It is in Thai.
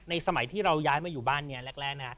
ในสมัยที่เราย้ายมาอยู่บ้านเนี่ยแรกนะคะ